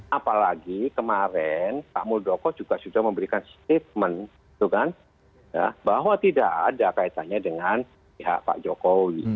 apalagi kemarin pak muldoko juga sudah memberikan statement bahwa tidak ada kaitannya dengan pihak pak jokowi